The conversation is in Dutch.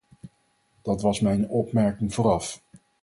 Dat was mijn opmerking vooraf.